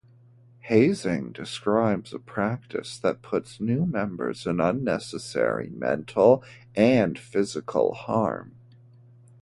Hazing describes a practice that puts new members in unnecessary mental and physical harm.